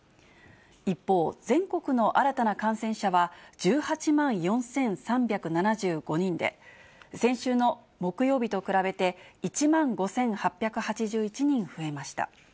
一方、全国の新たな感染者は１８万４３７５人で、先週の木曜日と比べて１万５８８１人増えました。